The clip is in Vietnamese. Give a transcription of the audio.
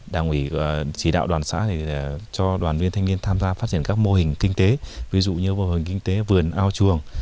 đảng ủy chỉ đạo đoàn xã cho đoàn viên thanh niên tham gia phát triển các mô hình kinh tế ví dụ như mô hình kinh tế vườn ao chuồng